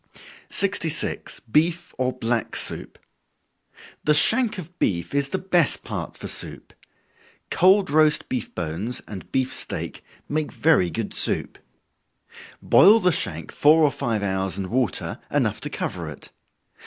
66. Beef or Black Soup. The shank of beef is the best part for soup cold roast beef bones, and beef steak, make very good soup. Boil the shank four or five hours in water, enough to cover it.